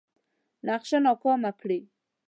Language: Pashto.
نقشه ناکامه کړي.